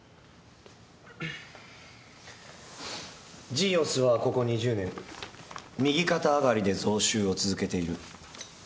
ジーオスはここ２０年右肩上がりで増収を続けている優良企業だ。